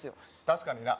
確かにな